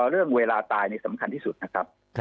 เรื่องเวลาตายนี่สำคัญที่สุดนะครับ